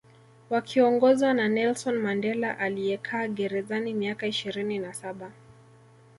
Wakiongozwa na Nelson Mandela aliyekaa gerezani miaka ishirini na Saba